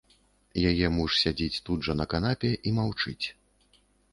Яе муж сядзіць тут жа на канапе і маўчыць.